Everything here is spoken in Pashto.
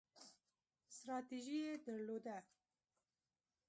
ستراتیژي یې درلوده.